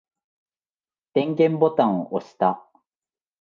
電源ボタンを押した。